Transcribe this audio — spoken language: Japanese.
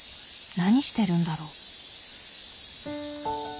何してるんだろう？